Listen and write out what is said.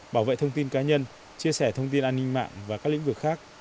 bảo vệ thông tin cá nhân chia sẻ thông tin an ninh mạng và các lĩnh vực khác